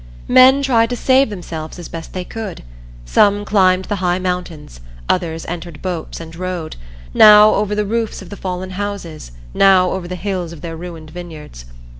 Men tried to save themselves as best they could; some climbed the high mountains; others entered boats and rowed, now over the roofs of the fallen houses, now over the hills of their ruined vineyards.